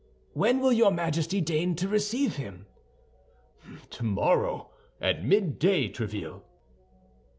"When will your Majesty deign to receive him?" "Tomorrow, at midday, Tréville."